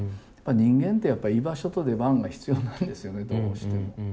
人間ってやっぱ居場所と出番が必要なんですよねどうしても。